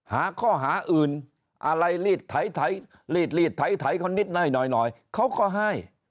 หาข้อหาอื่นอะไรรีดไถลีดไถเขานิดหน่อยเขาก็ให้